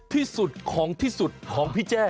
ที่สุดของที่สุดของพี่แจ้